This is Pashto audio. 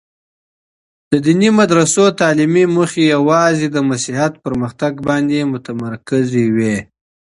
د دیني مدرسو تعلیمي موخې یوازي د مسیحیت پرمختګ باندې متمرکز وې.